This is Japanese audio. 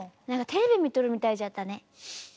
何かテレビ見とるみたいじゃったね。